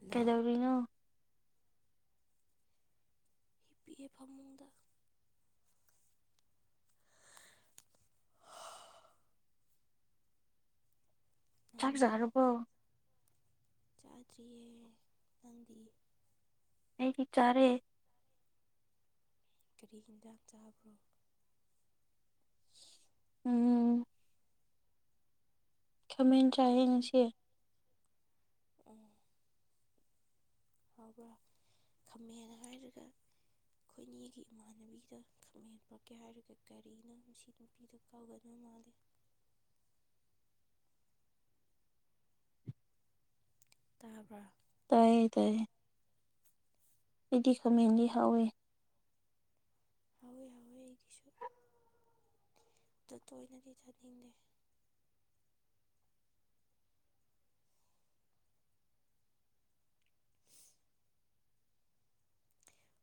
Hello ꯀꯩꯗꯧꯔꯤꯅꯣ ꯄꯤꯛꯑꯦ ꯐꯃꯨꯡꯗ ꯆꯥꯛ ꯅꯪꯗꯤ ꯆꯥꯔꯕꯣ ꯆꯥꯗ꯭ꯔꯤꯌꯦ ꯅꯪꯗꯤ ꯑꯩꯗꯤ ꯆꯥꯔꯦ ꯀꯔꯤ ꯍꯦꯟꯖꯥꯡ ꯆꯥꯕ꯭ꯔꯣ ꯎꯝ ꯈꯥꯃꯦꯟ ꯆꯥꯢꯌꯦ ꯉꯁꯤ ꯑꯝ ꯍꯥꯎꯕ꯭ꯔꯥ ꯈꯥꯃꯦꯟ ꯍꯥꯏꯔꯒ ꯑꯩꯈꯣꯏꯅꯤꯒꯤ ꯏꯃꯥꯟꯅꯕꯤꯗꯣ ꯈꯥꯃꯦꯟ ꯄꯨꯔꯛꯀꯦ ꯍꯥꯏꯔꯒ ꯀꯔꯤꯅꯣ ꯉꯁꯤꯗꯣ [unintelligible] ꯀꯥꯎꯒꯗ ꯃꯥꯜꯂꯦ ꯇꯥꯕ꯭ꯔꯥ ꯇꯥꯏꯌꯦ ꯇꯥꯏꯌꯦ ꯑꯩꯗꯤ ꯈꯥꯃꯦꯟꯗꯤ ꯍꯥꯎꯋꯦ ꯍꯧꯋꯦ ꯍꯧꯋꯦ ꯑꯩꯒꯤꯁꯨ ꯑꯗꯨ ꯇꯣꯏꯅꯗꯤ ꯆꯥꯅꯤꯡꯗꯦ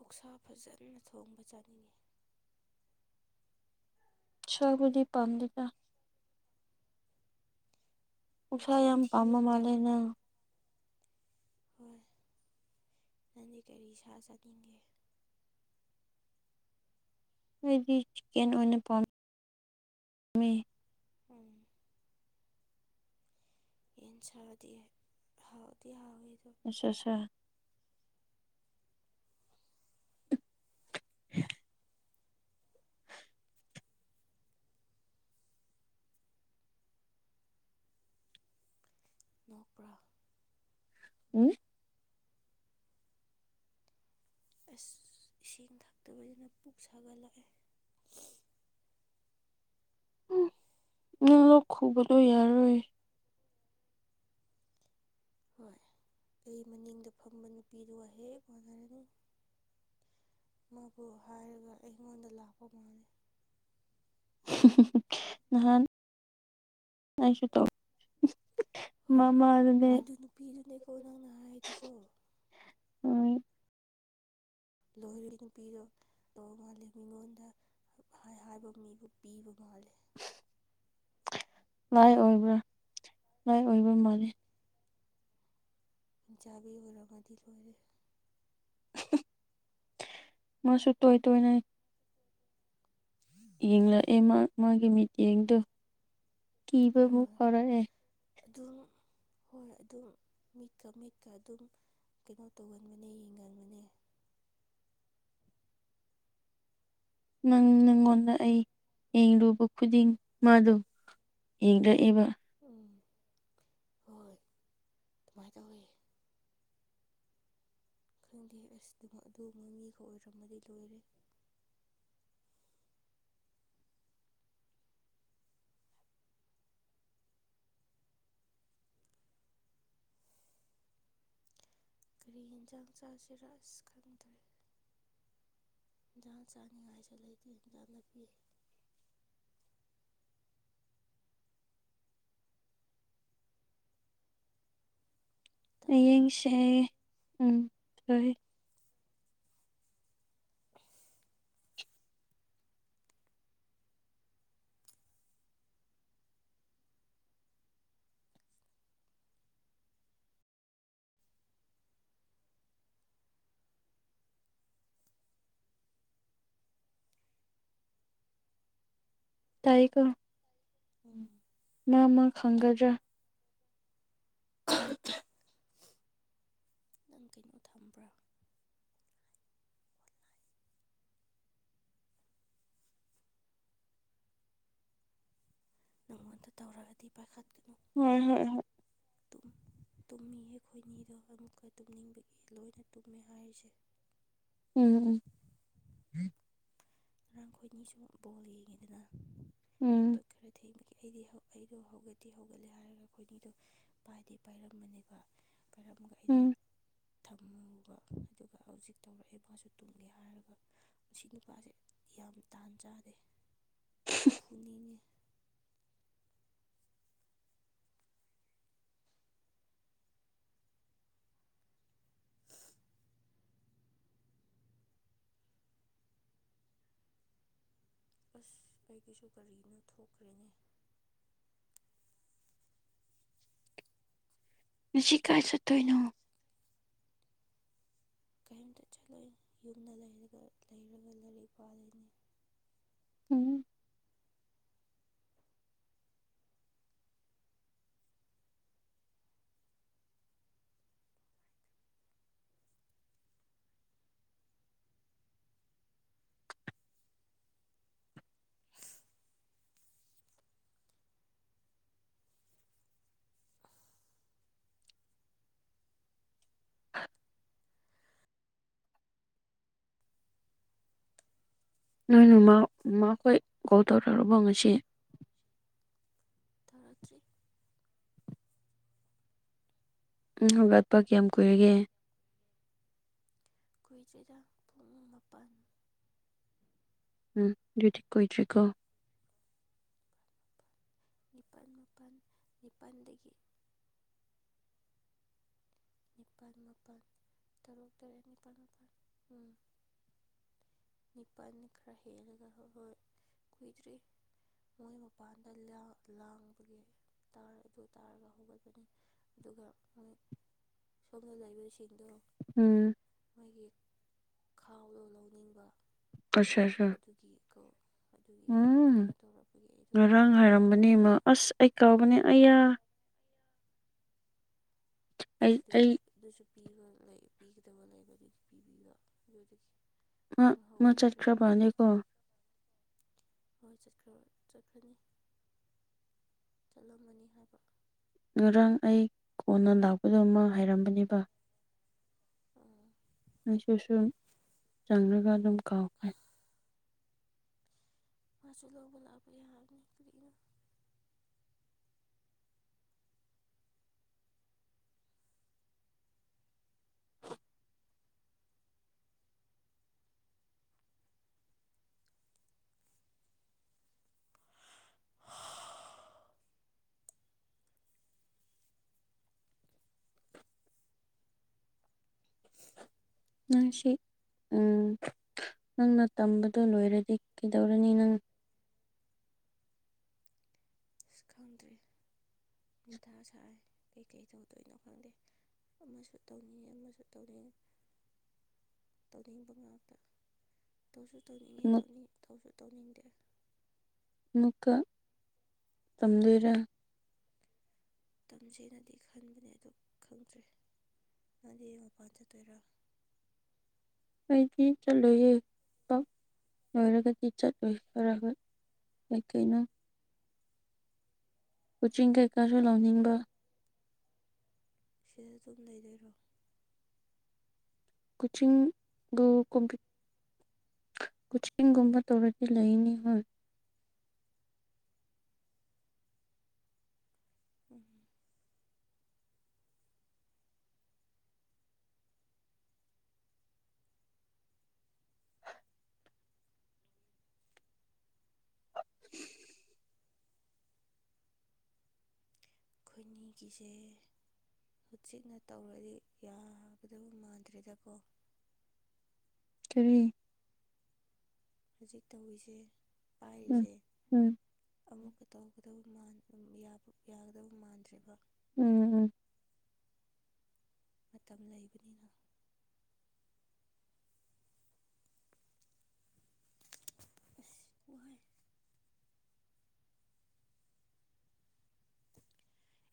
ꯑꯣꯛꯁꯥ ꯐꯖꯅ ꯊꯣꯡꯕ ꯆꯥꯅꯤꯡꯉꯤ ꯁꯥꯕꯨꯗꯤ ꯄꯥꯝꯗꯦꯗ ꯑꯣꯛꯁꯥ ꯅꯆꯤꯟ ꯌꯥꯝ ꯊꯤꯕ ꯄꯥꯝꯕ ꯃꯥꯜꯂꯦ ꯅꯪ ꯍꯣꯏ ꯅꯪꯗꯤ ꯀꯔꯤ ꯁꯥ ꯆꯥꯅꯤꯡꯒꯦ ꯑꯩꯗꯤ ꯆꯤꯛꯀꯟ ꯑꯣꯏꯅ ꯄꯥꯝꯃꯦ ꯎꯝ ꯌꯦꯟ ꯁꯥꯗꯤ ꯍꯥꯎꯗꯤ ꯍꯥꯎꯋꯦ ꯑꯗꯣ ꯑꯆꯥ ꯑꯆꯥ ꯎ [inaudible] ꯅꯣꯛꯄ꯭ꯔꯥ ꯎꯝ ꯑꯁ ꯏꯁꯤꯡ ꯊꯥꯛꯇꯕꯅꯤꯅ ꯄꯨꯛ ꯁꯥꯒꯠꯂꯛꯑꯦ ꯎꯝ ꯅꯪ ꯂꯣꯛ ꯈꯨꯕꯗꯣ ꯌꯥꯔꯔꯣꯏ ꯍꯣꯏ ꯑꯩ ꯃꯅꯤꯡꯗ ꯐꯝꯕ ꯅꯨꯄꯤꯗꯨ ꯍꯦꯛ [unintelligible] ꯃꯥꯕꯨ ꯍꯥꯏꯔꯒ ꯑꯩꯉꯣꯟꯗ ꯂꯥꯛꯄ ꯃꯥꯂꯦ ꯅꯍꯥꯟ ꯑꯩꯁꯨ ꯇꯧ ꯃꯃꯥꯗꯨꯅꯦ ꯍꯣꯏ ꯑꯗꯨ ꯅꯨꯄꯤꯗꯨꯅꯦꯀꯣ ꯅꯪꯅ ꯍꯥꯏꯗꯨꯁꯨ ꯎꯝ ꯂꯣꯏꯔꯦ ꯅꯨꯄꯤꯗꯣ ꯇꯧꯕ ꯃꯥꯂꯦ ꯃꯤꯉꯣꯟꯗ ꯍꯥꯏ ꯍꯥꯢꯕ ꯃꯤꯕꯨ ꯄꯤꯕ ꯃꯥꯂꯦ ꯍ [inaudible] ꯂꯥꯏꯛ ꯑꯣꯏꯕ꯭ꯔꯥ ꯂꯥꯏꯛ ꯑꯣꯏꯕ ꯃꯥꯜꯂꯦ ꯍꯤꯡꯆꯥꯥꯕꯤ ꯑꯣꯏꯔꯝꯃꯗꯤ ꯂꯣꯏꯔꯦ ꯃꯣꯢꯁꯨ ꯇꯣꯏ ꯇꯣꯏꯅ ꯌꯦꯡꯂꯛꯑꯦ ꯃꯥ ꯃꯥꯒꯤ ꯃꯤꯠꯌꯦꯡꯗꯣ ꯀꯤꯕꯕꯨ ꯐꯥꯎꯔꯛꯑꯦ ꯑꯗꯨ ꯍꯣꯏ ꯑꯗꯨꯝ ꯃꯤꯠꯀ ꯃꯤꯠꯀ ꯑꯗꯨꯝ ꯀꯩꯅꯣ ꯇꯧꯒꯟꯕꯅꯦ ꯌꯦꯡꯒꯟꯕꯅꯦ ꯅꯪ ꯅꯪꯉꯣꯟꯗ ꯑꯩ ꯌꯦꯡꯂꯨꯕ ꯈꯨꯗꯤꯡ ꯃꯥꯗꯨ ꯌꯦꯡꯔꯛꯑꯦꯕ ꯎꯝ ꯍꯣꯏ ꯑꯗꯨꯃꯥꯏꯅ ꯇꯧꯋꯤ ꯈꯪꯗꯦꯍꯦ ꯑꯁ ꯑꯗꯨꯒꯨꯝꯕ ꯃꯤꯒ ꯑꯣꯏꯔꯝꯃꯗꯤ ꯑꯩ ꯂꯣꯏꯔꯦ ꯀꯔꯤ ꯌꯦꯟꯁꯥꯡ ꯆꯥꯁꯤꯔ ꯑꯁ ꯈꯪꯗ꯭ꯔꯦ ꯍꯦꯟꯖꯥꯡ ꯆꯥꯅꯤꯡꯉꯥꯏꯁꯨ ꯂꯩꯇꯦ ꯍꯦꯟꯖꯥꯡ ꯅꯥꯄꯤ ꯇꯥꯕ꯭ꯔꯥ ꯍꯌꯦꯡꯁꯦ ꯎꯝ ꯍꯣꯢ ꯑꯁ ꯇꯥꯢꯒꯣ ꯎꯝ ꯅꯃꯥ ꯈꯪꯒꯗ꯭ꯔꯥ [unintelligible] ꯅꯪ ꯀꯩꯅꯣ ꯊꯝꯕ꯭ꯔꯥ ꯅꯪꯉꯣꯟꯗ ꯇꯧꯔꯛꯑꯗꯤ ꯄꯥꯏꯈꯠꯒꯅꯨ ꯍꯣꯏ ꯍꯣꯏ ꯍꯣꯏ ꯇꯨꯝꯃꯤ ꯑꯩꯈꯣꯏꯅꯤꯗꯣ ꯑꯃꯨꯛꯀ ꯇꯨꯝꯅꯤꯡꯕꯒꯤ ꯂꯣꯏꯅ ꯇꯨꯝꯃꯦ ꯍꯥꯏꯔꯤꯁꯦ ꯎꯝ ꯎꯝ ꯉꯔꯥꯡꯈꯣꯏꯅꯤꯁꯨ ꯕꯣꯜ ꯌꯦꯡꯉꯤꯗꯅ ꯎꯝ ꯑꯗꯨ ꯈꯔ ꯊꯦꯡꯕꯒꯤ ꯑꯩꯗꯤ ꯑꯩꯗꯣ ꯍꯧꯒꯠꯇꯤ ꯍꯧꯒꯠꯂꯦ ꯍꯥꯏꯔꯒ ꯑꯩꯈꯣꯏꯅꯤꯗꯣ ꯄꯥꯏꯗꯤ ꯄꯥꯏꯔꯝꯕꯅꯦꯕ ꯄꯥꯏꯔꯝꯒ ꯑꯩꯗꯣ ꯎꯝ ꯊꯝꯃꯨꯕ ꯑꯗꯨꯒ ꯍꯧꯖꯤꯛ ꯇꯧꯔꯛꯏꯕ ꯃꯥꯁꯨ ꯇꯨꯝꯒꯦ ꯍꯥꯏꯔꯒ ꯁꯤ ꯅꯨꯄꯥꯁꯦ ꯌꯥꯝ ꯇꯥꯟ ꯆꯥꯗꯦ ꯐꯨꯅꯤꯡꯉꯦ [inaudible] ꯑꯁ ꯑꯩꯒꯤꯁꯨ ꯀꯔꯤꯅꯣ ꯊꯣꯛꯈ꯭ꯔꯦꯅꯦ ꯉꯁꯤ ꯀꯥꯏ ꯆꯠꯇꯣꯏꯅꯣ ꯀꯔꯤꯝꯇ ꯆꯠꯂꯣꯏ ꯌꯨꯝꯗ ꯂꯩꯔꯒ ꯂꯩꯔꯒ ꯂꯥꯏꯔꯤꯛ ꯄꯥꯗꯣꯏꯅꯦ ꯎꯝ ꯅꯣꯏꯃ ꯃꯥꯈꯣꯏ ꯀꯣꯜ ꯇꯧꯗ꯭ꯔꯕꯣ ꯉꯁꯤ ꯊꯧꯔꯛꯇ꯭ꯔꯤ ꯍꯧꯒꯠꯄ ꯀꯌꯥꯝ ꯀꯨꯏꯔꯒꯦ ꯀꯨꯏꯗ꯭ꯔꯤꯗ ꯄꯨꯡ ꯃꯥꯄꯟ ꯎꯝ ꯑꯗꯨꯗꯤ ꯀꯨꯏꯗ꯭ꯔꯤꯀꯣ ꯅꯤꯄꯥꯟ ꯃꯥꯄꯟ ꯅꯤꯄꯥꯟꯗꯒꯤ ꯅꯤꯄꯥꯟ ꯃꯥꯄꯟ ꯇꯔꯨꯛ ꯇꯔꯦꯠ ꯅꯤꯄꯥꯟ ꯃꯥꯄꯟ ꯎꯝ ꯅꯤꯄꯟꯗꯤ ꯈꯔ ꯍꯦꯜꯂꯒ ꯍꯣꯏ ꯀꯨꯏꯗ꯭ꯔꯤ ꯃꯣꯏ ꯃꯄꯥꯟꯗ ꯂꯥ ꯂꯥꯡꯕꯒꯤ ꯇꯥꯔ ꯑꯗꯨ ꯇꯥꯔꯒ ꯍꯧꯒꯠꯕꯅꯤ ꯑꯗꯨꯒ ꯃꯣꯏ ꯁꯣꯝꯗ ꯂꯩꯕꯁꯤꯡꯗꯣ ꯎꯝ ꯃꯣꯏꯒꯤ ꯈꯥꯎꯗꯣ ꯂꯧꯅꯤꯡꯕ ꯑꯁꯥ ꯁꯥ ꯑꯗꯨꯒꯤ ꯀꯣ ꯑꯗꯨꯒꯤ ꯎꯝ ꯀꯩꯅꯣ ꯇꯧꯔꯛꯄꯒꯤ ꯑꯩꯗꯣ ꯉꯔꯥꯡ ꯍꯥꯏꯔꯝꯕ ꯅꯤ ꯃ ꯑꯁ ꯑꯩ ꯀꯥꯎꯕꯅꯤ ꯑꯩꯌꯥ ꯑꯩ ꯑꯗꯨ ꯑꯩ ꯑꯗꯨꯁꯨ ꯄꯤꯕ ꯄꯤꯒꯗꯕ ꯂꯩꯕ ꯑꯗꯨꯒꯤ ꯄꯤꯕꯤꯕ ꯑꯗꯨꯗꯒꯤ ꯑꯥ ꯑꯗꯨꯝ ꯃꯥ ꯍꯧꯒꯠꯈ꯭ꯔꯦ ꯆꯠꯈ꯭ꯔꯥ ꯃꯥꯂꯦꯒꯣ ꯍꯣꯏ ꯆꯠꯈ꯭ꯔꯕ ꯆꯠꯈ꯭ꯔꯅꯤ ꯆꯠꯂꯝꯃꯅꯤ ꯍꯥꯏꯕ ꯉꯔꯥꯡ ꯑꯩ ꯀꯣꯟꯅ ꯂꯥꯛꯄꯗꯨ ꯃꯥ ꯍꯥꯏꯔꯝꯕꯅꯦꯕ ꯑꯥ ꯉꯁꯤꯁꯨ ꯆꯪꯔꯒ ꯑꯗꯨꯝ ꯀꯥꯎꯈ꯭ꯔꯦ ꯃꯥꯁꯨ ꯂꯧꯕ ꯂꯥꯛꯄ ꯌꯥꯕꯅꯤ ꯀꯔꯤꯅꫭ [inaudible] [inaudible] ꯅꯪꯁꯤ ꯎꯝ ꯅꯪꯅ ꯇꯝꯕꯗꯣ ꯂꯣꯏꯔꯗꯤ ꯀꯩꯗꯧꯔꯅꯤ ꯅꯪ ꯑꯁ ꯈꯪꯗ꯭ꯔꯤ ꯃꯊꯥ ꯁꯥꯏ ꯀꯩꯀꯩ ꯇꯧꯗꯣꯏꯅꯣ ꯈꯪꯗꯦ ꯑꯃꯁꯨ ꯇꯧꯅꯤꯡ ꯑꯃꯁꯨ ꯇꯧꯅꯤꯡ ꯇꯧꯅꯤꯡꯕ ꯉꯥꯛꯇ ꯇꯧꯁꯨ ꯇꯧꯅꯤꯡꯉꯦ ꯑꯃꯨꯛ ꯇꯧꯅꯤꯡ ꯇꯧꯁꯨ ꯇꯧꯅꯤꯡꯗꯦ ꯑꯃꯨꯛꯀ ꯇꯝꯗꫭꯏꯔ ꯇꯝꯁꯤꯅꯗꯤ ꯈꯟꯕꯅꯦ ꯑꯗꯨ ꯈꯪꯗ꯭ꯔꯦ ꯅꯪꯗꯤ ꯃꯄꯥꯟ ꯆꯠꯇꯣꯏꯔꯥ ꯑꯩꯗꯤ ꯆꯠꯂꯣꯏꯌꯦ ꯄꯥꯛ ꯂꫭꯏꯔꯒꯗꯤ ꯆꯠꯂꯣꯏ [unintelligible] ꯀꯩ ꯀꯩꯅꯣ ꯀꯣꯆꯤꯡ ꯀꯩꯀꯥꯁꯨ ꯂꯥꯎꯅꯤꯡꯕ ꯁꯤꯗ ꯑꯗꯨꯝ ꯂꯩꯗꯣꯏꯔꯣ ꯀꯣꯆꯤꯡ ꯕꯨ ꯀꯣꯝꯄꯤ ꯀꯣꯆꯤꯡꯒꯨꯝꯕ ꯇꯧꯔꯗꯤ ꯂꯩꯅꯤ ꯍꯣꯏ ꯎꯝ ꯈꯣꯏꯅꯤꯒꯤꯁꯦ ꯍꯧꯖꯤꯛꯅ ꯇꯧꯔꯗꯤ ꯌꯥꯒꯗꯕ ꯃꯥꯟꯗ꯭ꯔꯦꯗꯀꯣ ꯀꯔꯤ ꯍꯧꯖꯤꯛ ꯇꯧꯔꯤꯁꯦ ꯎꯝ ꯄꯥꯏꯔꯤꯁꯦ ꯎꯝ ꯑꯃꯨꯛꯀ ꯇꯧꯒꯗꯕ ꯃꯥꯟ ꯌꯥꯒꯗꯕ ꯃꯥꯟ ꯃꯥꯟꯗ꯭ꯔꯦꯕ ꯎꯝ ꯎꯝ ꯃꯇꯝ ꯂꯩꯒꯅꯤꯅ [unintelligible] ꯑꯁ ꯋꯥꯏ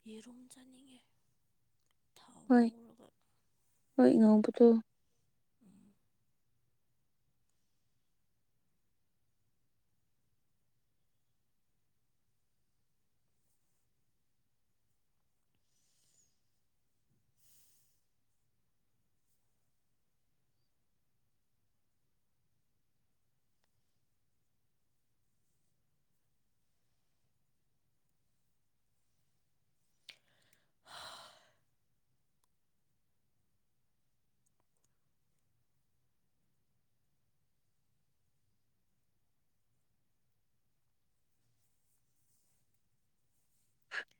ꯌꯦꯔꯨꯝ ꯆꯥꯅꯤꯡꯉꯦ ꯊꯥꯎ ꯍꯣꯏ ꯉꯧꯔꯒ ꯍꯣꯏ ꯉꯧꯕꯗꯨ ꯎꯝ [inaudible]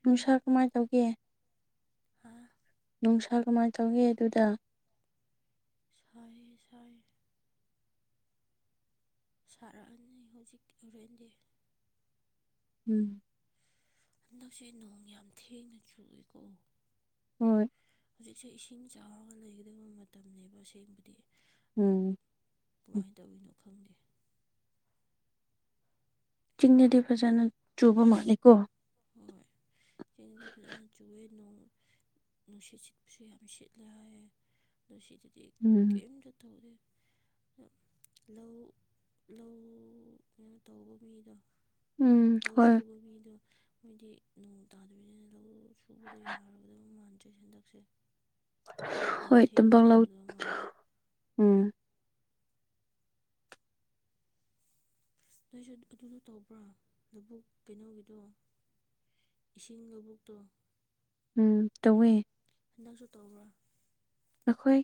ꯅꯨꯡꯁꯥ ꯀꯃꯥꯏ ꯇꯧꯒꯦ ꯍꯥ ꯅꯨꯡꯁꯥ ꯀꯃꯥꯏꯅ ꯇꯧꯒꯦ ꯑꯗꯨꯗ ꯁꯥꯏꯌꯦ ꯁꯥꯏꯌꯦ ꯁꯥꯔꯛꯑꯅꯤ ꯍꯧꯖꯤꯛ ꯍꯣꯔꯦꯟꯗꯤ ꯎꯝ ꯍꯟꯗꯛꯁꯦ ꯅꯣꯡ ꯌꯥꯝ ꯊꯦꯡꯅ ꯆꯨꯏꯀꯣ ꯍꯣꯏ ꯍꯧꯖꯤꯛꯁꯦ ꯏꯁꯤꯡ ꯆꯥꯎꯔꯒ ꯂꯩꯒꯗꯕ ꯃꯇꯝꯅꯦꯕ ꯑꯁꯦꯡꯕꯗꯤ ꯎꯝ ꯀꯃꯥꯏ ꯇꯧꯏꯅꯣ ꯈꯪꯗꯦ꯫ ꯆꯤꯡꯗꯗꯤ ꯐꯖꯅ ꯆꯨꯕ ꯃꯥꯂꯦꯀꯣ꯫ ꯍꯣꯏ ꯆꯤꯡꯗꯗꯤ ꯐꯖꯅ ꯆꯨꯑꯦ ꯅꯣꯡ꯫ ꯅꯨꯡꯁꯤꯠ ꯁꯤꯠꯄꯁꯨ ꯌꯥꯝ ꯁꯤꯠꯂꯦꯍꯥꯏꯌꯦ ꯅꯣꯏꯁꯤꯗꯗꯤ ꯎꯝ꫰ ꯀꯦꯝꯇ ꯇꯧꯗꯦ꫰ ꯂꯧꯂꯧ ꯅꯣ ꯇꯧꯕ ꯃꯤꯗꯣ ꯎꯝ ꯂꯧ ꯍꯣꯏ ꯁꯨꯕ ꯃꯤꯗꯣ - ꯃꯣꯏꯗꯤ ꯅꯣꯡ ꯇꯥꯗꯕꯅꯤꯅ ꯂꯧ ꯁꯨꯕꯗꯣ ꯌꯥꯔꯒꯗꯕ ꯃꯥꯟꯗ꯭ꯔꯦ ꯍꯟꯗꯛꯁꯦ꯫ ꯌꯥꯝ ꯍꯣꯏ ꯊꯦꯡꯅ ꯇꯝꯄꯥꯛ ꯂꯧ ꯇꯧꯒꯗꯕ ꯃꯥꯜꯂꯦ ꯎꯝ ꯑꯁ ꯅꯣꯏꯁꯨ ꯑꯗꯨꯗꯣ ꯇꯧꯕ꯭ꯔꯣ ꯂꯧꯕꯨꯛ ꯀꯩꯅꯣꯒꯤꯗꯣ? ꯏꯁꯤꯡ ꯂꯧꯕꯨꯛꯇꯣ ꯎꯝ ꯇꯧꯋꯦ꫰ ꯍꯟꯗꯛꯁꯨ ꯇꯧꯕ꯭ꯔꯥ? ꯑꯈꯣꯏ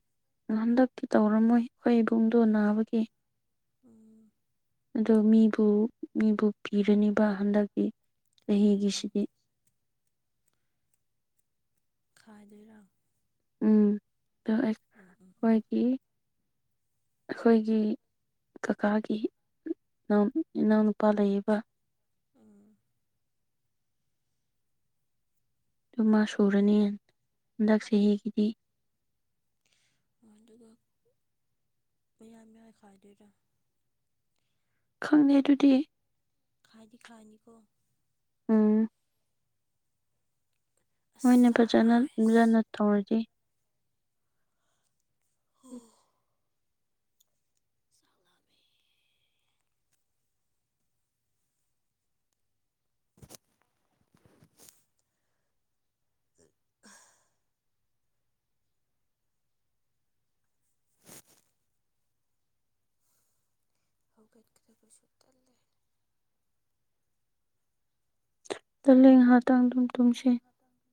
ꯍꯟꯗꯛꯇꯤ ꯇꯧꯔꯝꯃꯣꯏ ꯑꯩꯈꯣꯏ ꯏꯕꯨꯡꯗꯣ ꯅꯥꯕꯒꯤ꯫ ꯎꯝ꫰ ꯑꯗꯣ ꯃꯤꯕꯨ ꯃꯤꯕꯨ ꯄꯤꯔꯅꯤꯕ ꯍꯟꯗꯛꯀꯤ ꯑꯣ ꯑꯣ ꯆꯍꯤꯒꯤꯁꯤꯗꯤ꫰ ꯈꯥꯏꯗꯣꯏꯔ ꫰ ꯎꯝ ꯗꯣ ꯎꯝ ꯎꯝ ꯑꯩꯈꯣꯏꯒꯤ [inaudible] ꯑꯩꯈꯣꯏꯒꯤ ꯀꯀꯥꯒꯤ ꯏꯅꯥꯎꯅꯨꯄꯥ ꯂꯩꯌꯦꯕ ꫰ ꯎꯝ꫰ ꯑꯗꯨ ꯃꯥ ꯁꯨꯔꯅꯤ ꯍꯟꯗꯛ ꯆꯍꯤꯒꯤꯗꯤ ꫰ ꯑꯥ ꯑꯗꯨꯒ ꯄꯌꯥꯟ ꯃꯌꯥꯏ ꯈꯥꯏꯗꯣꯏꯔ꫰ ꯈꯪꯗꯦ ꯑꯗꯨꯗꯤ꯫ ꯈꯥꯏꯗꯤ ꯈꯥꯏꯅꯤꯀꯣ? ꯎꯝ꫰ ꯑꯁ ꯍꯣꯏꯅꯦ ꯆꯥꯛ ꯐꯖꯅ ꯂꯥꯝꯃꯦ ꯑꯁ ꯎꯟꯖꯟꯅ ꯇꯧꯔꯗꯤ꫰ ꯍꯝ [unintelligible] ꯆꯥꯛ ꯂꯥꯃꯦ꯫ [inaudible] [unintelligible] ꯇ [unintelligible] ꯍꯧꯒꯠꯀꯗꯕꯁꯨ ꯇꯜꯂꯦ꫰ ꯇꯜꯂꯦ ꯉꯥꯏꯍꯥꯛꯇꯪ ꯑꯗꯨꯝ꫰ ꯑꯗꯨꯅꯦ ꯇꯨꯝꯁꯤ ꯉꯥꯏꯍꯥꯛꯇꯪ [unintelligible]